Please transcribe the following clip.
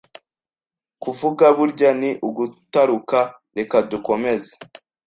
Kuvuga burya ni ugutaruka reka dukomeze.